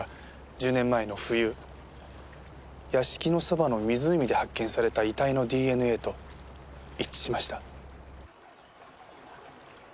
１０年前の冬屋敷のそばの湖で発見された遺体のＤＮＡと一致しました。